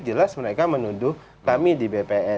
jelas mereka menuduh kami di bpn